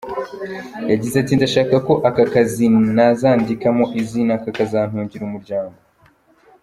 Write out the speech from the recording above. Yagize ati “Ndashaka ko aka kazi nazandikamo izina kakazantungira umuryango.